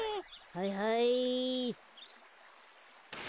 はいはい。